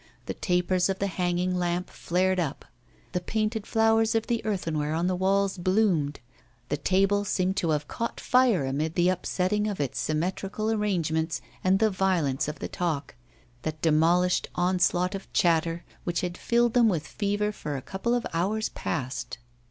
The tapers of the hanging lamp flared up, the painted flowers of the earthenware on the walls bloomed, the table seemed to have caught fire amid the upsetting of its symmetrical arrangements and the violence of the talk, that demolishing onslaught of chatter which had filled them with fever for a couple of hours past.